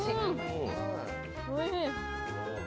おいしい。